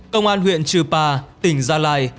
công an huyện trừ pa tỉnh gia lai